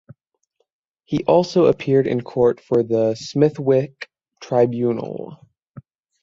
He also appeared in court for the Smithwick Tribunal.